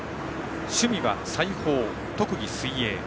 趣味は裁縫、特技は水泳。